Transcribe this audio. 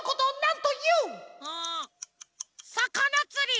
んさかなつり！